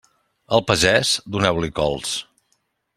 Al pagès, doneu-li cols.